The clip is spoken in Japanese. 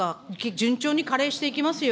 順調に加齢していきますよ。